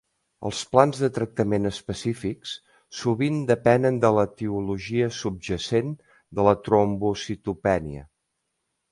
Els plans de tractament específics sovint depenen de l'etiologia subjacent de la trombocitopènia.